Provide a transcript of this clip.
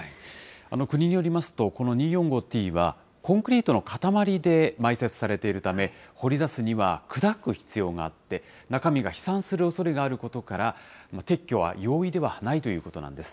国によりますと、この２，４，５ーＴはコンクリートの塊で埋設されているため、掘り出すには砕く必要があって、中身が飛散するおそれがあることから、撤去は容易ではないということなんです。